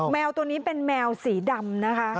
แมวตัวนี้เป็นแมวสีดำนะคะ